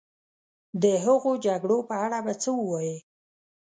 د هغو جګړو په اړه به څه ووایې.